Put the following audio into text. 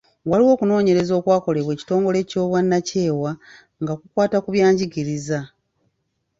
Waliwo okunoonyereza okwakolebwa ekitongole eky’obwannakyewa nga kukwata ku byanjigiriza.